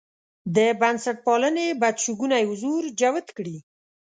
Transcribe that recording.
د بنسټپالنې بدشګونی حضور جوت کړي.